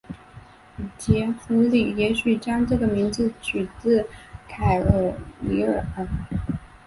杰佛里也许将这个名字取自凯尔李尔。